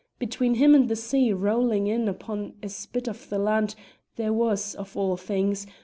Between him and the sea rolling in upon a spit of the land there was of all things!